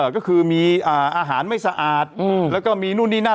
ก็คือมีอาหารไม่สะอาดแล้วก็มีนู่นนี่นั่น